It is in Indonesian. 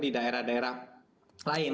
di daerah daerah lain